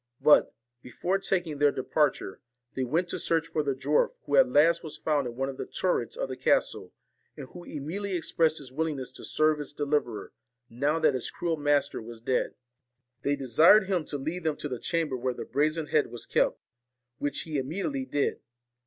But, before taking their departure, they went to search for the dwarf, who at last was found in one of the turrets of the castle, and who immediately expressed his willingness to serve his deliverer, now that his cruel master was dead. They desired him to lead them to the chamber where the brazen head was kept, which he imme diately did.